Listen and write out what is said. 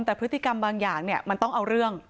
แต่พฤติกรรมบางอย่างเนี่ยมันต้องเอาเรื่อง